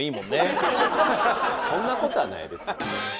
そんな事はないですよ。